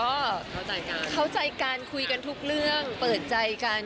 ก็เข้าใจกันเข้าใจกันคุยกันทุกเรื่องเปิดใจกัน